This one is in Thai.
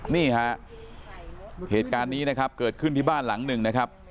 นี่ฮะเหตุการณ์นี้นะครับเกิดขึ้นที่บ้านหลังหนึ่งนะครับ